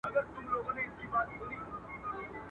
د ازل غشي ویشتلی پر ځیګر دی.